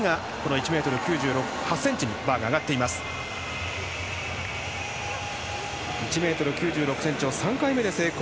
１ｍ９６ｃｍを３回目で成功。